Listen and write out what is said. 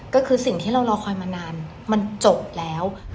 ก็คือสิ่งที่เรารอคอยมานานมันจบแล้ว